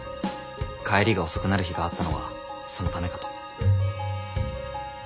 帰りが遅くなる日があったのはそのためかと。